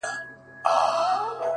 د ځان وژني د رسۍ خریدارۍ ته ولاړم ـ